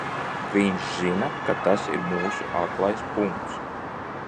Viņš zina, ka tas ir mūsu aklais punkts!